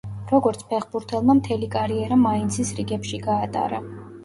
როგორც ფეხბურთელმა მთელი კარიერა მაინცის რიგებში გაატარა.